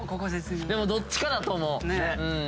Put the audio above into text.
でもどっちかだと思う。